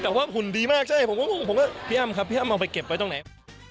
แต่ว่าหุ่นดีมากใช่ผมก็งงผมก็พี่อ้ำครับพี่อ้ำเอาไปเก็บไว้ตรงไหน